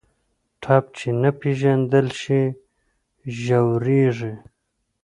ټپ چې نه پېژندل شي، ژورېږي.